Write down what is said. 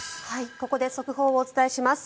ここで速報をお伝えします。